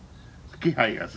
気配がする。